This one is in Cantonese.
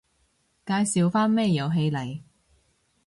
介紹返咩遊戲嚟